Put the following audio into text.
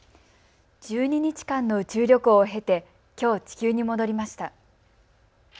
１２日間の宇宙旅行を経てきょう、地球に戻りました。